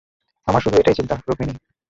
আমার শুধু এটাই চিন্তা, রুকমিনি।